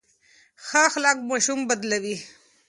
ښه اخلاق ماشوم بدلوي.